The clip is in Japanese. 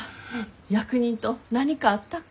役人と何かあったか？